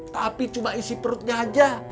tapi cuma isi perutnya aja